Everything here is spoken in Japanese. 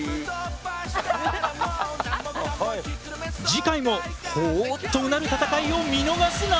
次回もほぉっとうなる戦いを見逃すな。